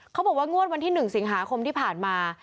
เขาบอกว่างวดวันที่๑สิงหาคมที่ผ่านมา